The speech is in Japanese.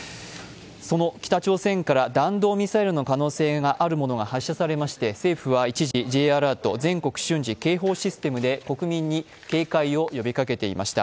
その北朝鮮から弾道ミサイルの可能性のあるものが発射されまして政府は一時、Ｊアラート＝全国瞬時警報システムを国民に警戒を呼びかけていました。